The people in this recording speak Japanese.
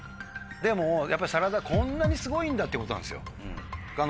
でもやっぱこんなにすごいんだってことなんですよ。